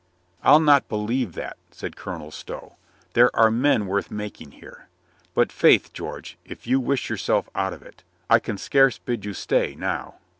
"I'll not believe that," said Colonel Stow. "There are men worth making here. But faith, George, if you wish yourself out of it, I can scarce bid you stay, now.